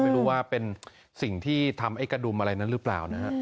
ไม่รู้ว่าเป็นสิ่งที่ทำให้กระดุมอะไรนั้นหรือเปล่านะฮะ